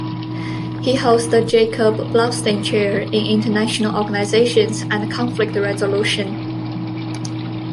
He holds the Jacob Blaustein Chair in International Organizations and Conflict Resolution.